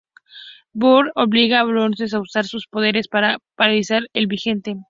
Bullseye obliga a Baldwin a usar sus poderes para paralizar al vigilante.